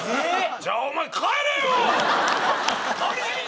じゃあお前帰れよ！